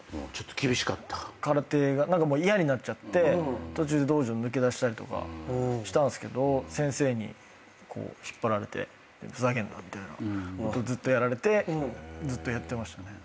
空手が何かもう嫌になっちゃって途中で道場抜け出したりとかしたんすけど先生にこう引っ張られてふざけんなみたいなずっとやられてずっとやってましたね。